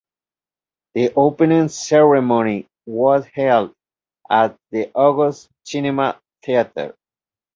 The opening ceremony was held at the August Cinema Theater.